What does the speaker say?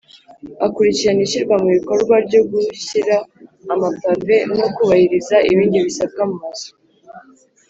Akurikirana ishyirwa mubikorwa ryo gushyira ama pave no kubahiriza ibindi bisabwa mu mazu